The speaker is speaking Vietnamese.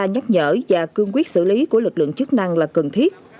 nhắc nhở và cương quyết xử lý của lực lượng chức năng là cần thiết